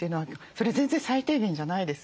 それは全然最低限じゃないですよって。